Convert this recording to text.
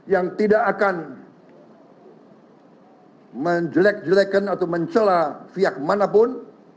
yang tidak akan menjelek jelekkan atau mencelah pihak manapun